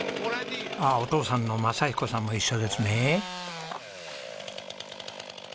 ああお父さんの正彦さんも一緒ですね。